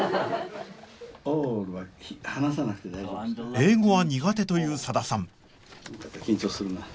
英語は苦手というさださん